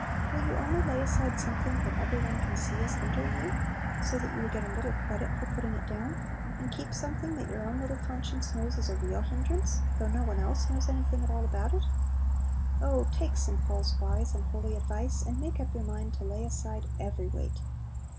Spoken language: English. Will you only lay aside something that every one can see is hindering you, so that you will get a little credit for putting it down, and keep something that your own little conscience knows is a real hindrance, though no one else knows anything at all about it? Oh, take St. Paul's wise and holy advice, and make up your mind to lay aside every weight.